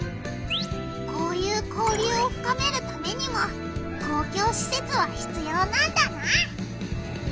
こういう交流をふかめるためにも公共しせつはひつようなんだな。